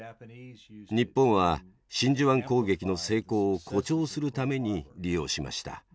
日本は真珠湾攻撃の成功を誇張するために利用しました。